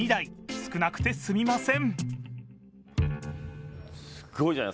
少なくてすみません。